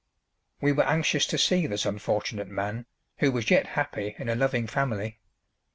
We were anxious to see this unfortunate man, who was yet happy in a loving family.